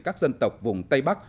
các dân tộc vùng tây bắc